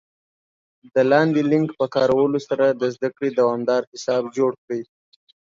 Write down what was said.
د لاندې لینک په کارولو سره د زده کړې دوامدار حساب جوړ کړئ